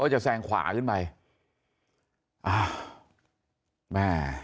แหม